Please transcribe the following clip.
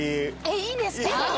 いいんですか？